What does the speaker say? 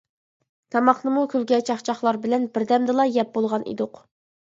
تاماقنىمۇ كۈلكە چاقچاقلار بىلەن بىردەمدىلا يەپ بولغان ئىدۇق.